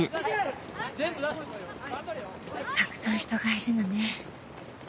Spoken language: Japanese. たくさん人がいるのね。